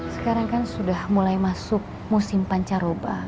sekarang kan sudah mulai masuk musim pancaroba